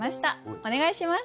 お願いします。